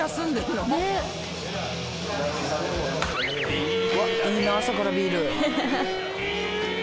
うわいいな朝からビール。